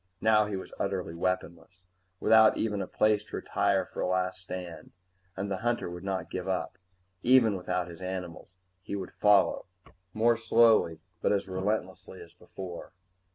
Now he was utterly weaponless, without even a place to retire for a last stand. And the hunter would not give up. Even without his animals, he would follow, more slowly but as relentlessly as before.